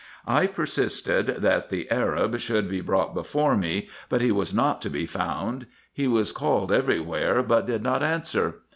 I persisted that the Arab should be brought before me, but he was not to be found ; he was called every where, but did not answer.